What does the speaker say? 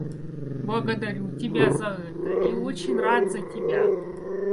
Благодарю тебя за это и очень рад за тебя.